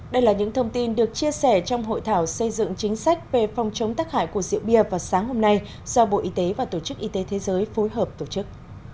đây là những thông tin được chia sẻ trong hội thảo xây dựng chính sách về phòng chống tắc hại của rượu bia vào sáng hôm nay do bộ y tế và tổ chức y tế thế giới phối hợp tổ chức